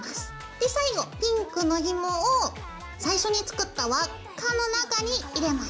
で最後ピンクのひもを最初に作った輪っかの中に入れます。